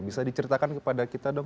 bisa diceritakan kepada kita dong